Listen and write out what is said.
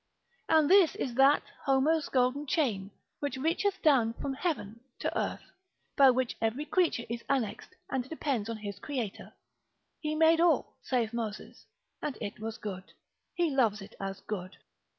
And this is that Homer's golden chain, which reacheth down from heaven to earth, by which every creature is annexed, and depends on his Creator. He made all, saith Moses, and it was good; He loves it as good.